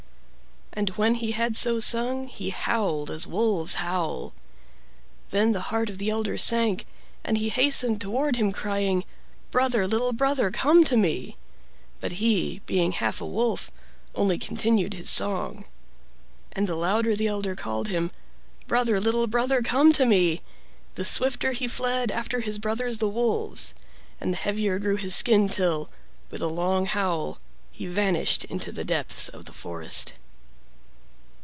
And when he had so sung he howled as wolves howl. Then the heart of the elder sank and he hastened toward him, crying: "Brother, little brother, come to me;" but he, being half a wolf, only continued his song. And the louder the elder called him, "Brother, little brother, come to me," the swifter he fled after his brothers the wolves and the heavier grew his skin, till, with a long howl, he vanished into the depths of the forest.